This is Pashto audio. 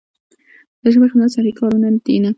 د ژبې خدمت سطحي کارونه دي نه.